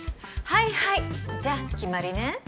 はいはいじゃあ決まりね。